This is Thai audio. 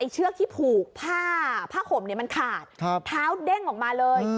เชือกที่ผูกผ้าผ้าห่มมันขาดเท้าเด้งออกมาเลย